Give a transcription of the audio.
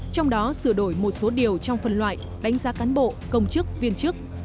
trong đó sửa đổi một số điều trong phần loại đánh giá cán bộ công chức viên chức